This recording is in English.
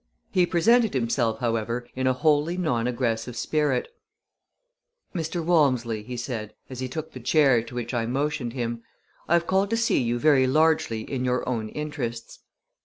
He presented himself, however, in a wholly non aggressive spirit. "Mr. Walmsley," he said, as he took the chair to which I motioned him, "I have called to see you very largely in your own interests."